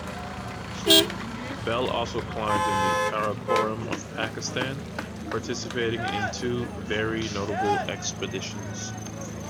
Bell also climbed in the Karakoram of Pakistan, participating in two very notable expeditions.